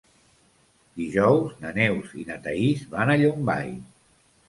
Dijous na Neus i na Thaís van a Llombai.